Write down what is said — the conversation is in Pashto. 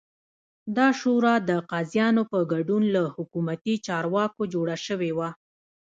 دا شورا د قاضیانو په ګډون له حکومتي چارواکو جوړه شوې وه